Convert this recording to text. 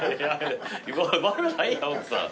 悪ないやん奥さん。